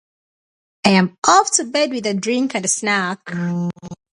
I'm off to bed with a drink and a snack.